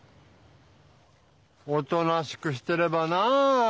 おとなしくしてればなぁ。